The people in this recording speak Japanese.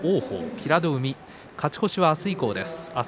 平戸海、勝ち越しは明日以降です。